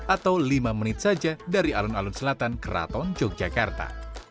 atau lima menit saja dari alun alun selatan keraton yogyakarta